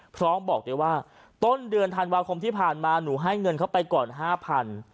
บอกได้ว่าต้นเดือนธันวาคมที่ผ่านมาหนูให้เงินเข้าไปก่อน๕๐๐บาท